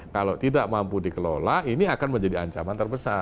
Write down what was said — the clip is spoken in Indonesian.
kalau tidak mampu dikelola ini akan menjadi ancaman terbesar